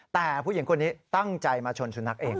แต่ผู้หญิงคนนี้ตั้งใจมาชนสุนัขเอง